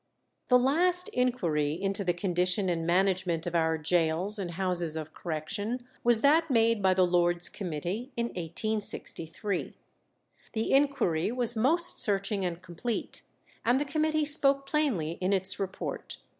The last inquiry into the condition and management of our gaols and houses of correction was that made by the Lords' Committee in 1863. The inquiry was most searching and complete, and the committee spoke plainly in its report.